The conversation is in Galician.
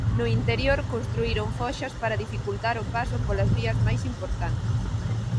No interior construíron foxas para dificultar o paso polas vías máis importantes.